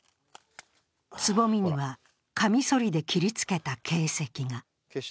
つぼみには、カミソリで切りつけた形跡が。